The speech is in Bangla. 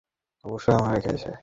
অবশ্যই মারা খেয়েছে।